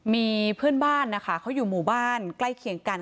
มีเพื่อนบ้านนะคะเขาอยู่หมู่บ้านใกล้เคียงกัน